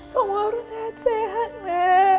kau harus sehat sehat nek